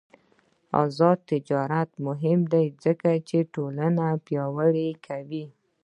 آزاد تجارت مهم دی ځکه چې ټولنه پیاوړې کوي.